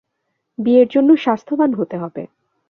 বিয়ের জন্য স্বাস্থ্যবান হতে হবে।